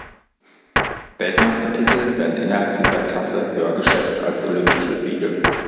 Weltmeistertitel werden innerhalb dieser Klasse höher geschätzt als olympische Siege.